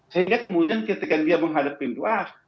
sehingga kemudian ketika dia menghadap pintu a